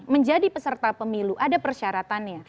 menjadi peserta pemilu ada persyaratannya